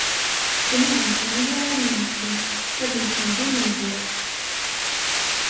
Ddnub-nsen i yirawen-nsen, ad mmten d imengar.